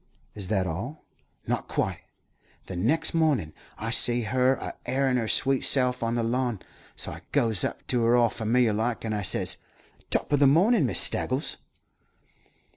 "Is that all?" "Not quite. The next mornin' I see her a airin' her sweet self on the lawn, so I goes up to 'er all familiar like, and I says, 'Top o' the mornin', Miss Staggles.'